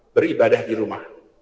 beribadah di rumah